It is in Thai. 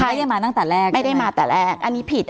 ไม่ได้มาตั้งแต่แรกใช่ไหมใช่ไม่ได้มาตั้งแต่แรกอันนี้ผิด